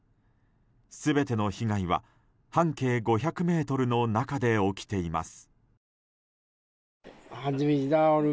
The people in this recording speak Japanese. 全ての被害は半径５００ｍの中で起きています。